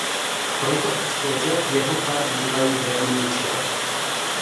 Proto exploze jeho par bývají velmi ničivé.